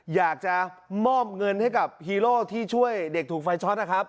อยากจะมอบเงินให้กับฮีโร่ที่ช่วยเด็กถูกไฟช็อตนะครับ